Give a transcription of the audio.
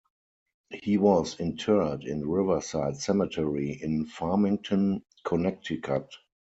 He was interred in Riverside Cemetery in Farmington, Connecticut.